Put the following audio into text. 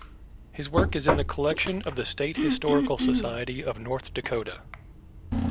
His work is in the collection of the State Historical Society of North Dakota.